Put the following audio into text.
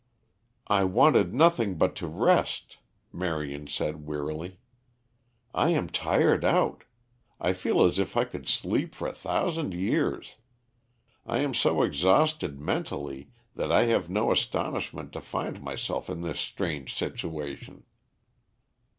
"I wanted nothing but to rest," Marion said wearily. "I am tired out. I feel as if I could sleep for a thousand years. I am so exhausted mentally that I have no astonishment to find myself in this strange situation."